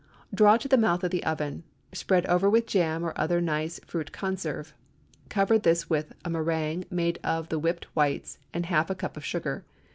Draw to the mouth of the oven, spread over with jam or other nice fruit conserve. Cover this with a méringue made of the whipped whites and half a cup of sugar.